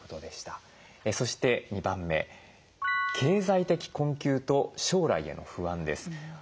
そして２番目経済的困窮と将来への不安です。